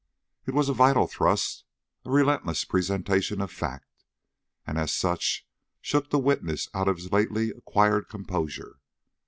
It was a vital thrust, a relentless presentation of fact, and as such shook the witness out of his lately acquired composure.